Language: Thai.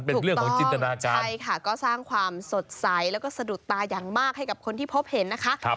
เป็นเรื่องของจินตนาการใช่ค่ะก็สร้างความสดใสแล้วก็สะดุดตาอย่างมากให้กับคนที่พบเห็นนะคะ